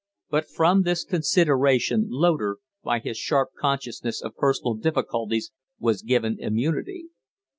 But from this consideration Loder, by his sharp consciousness of personal difficulties, was given immunity.